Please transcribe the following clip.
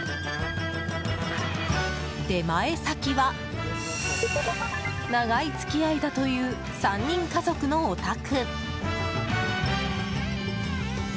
出前先は、長い付き合いだという３人家族のお宅。